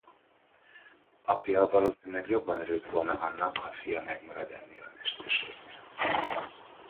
Apja valószínűleg jobban örült volna annak, ha fia megmarad ennél a mesterségnél.